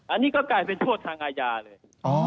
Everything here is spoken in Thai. อันนี้ก็กลายเป็นโทษทางอาญาเลย